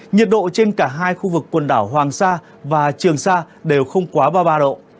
nhiệt độ trên cả hai khu vực quần đảo hoàng sa và trường sa đều không quá ba ba